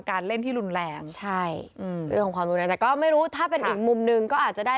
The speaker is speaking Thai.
คิดเหมือนกันนิดหนึ่งไม่